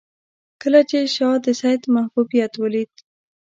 کله چې شاه د سید محبوبیت ولید.